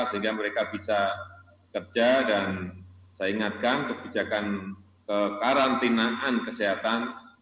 sehingga mereka bisa kerja dan saya ingatkan kebijakan kekarantinaan kesehatan